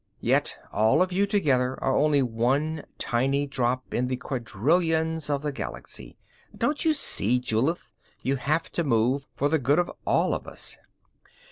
Yet all of you together are only one tiny drop in the quadrillions of the Galaxy. Don't you see, Julith, you have to move for the good of all of us?"